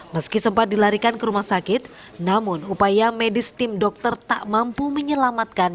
meski sempat dilarikan ke rumah sakit namun upaya medis tim dokter tak mampu menyelamatkan